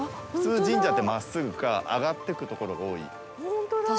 普通神社って真っすぐか上がってくところが多い。